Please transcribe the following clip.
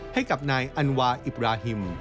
ให้กับนายอันวาอิบราฮิม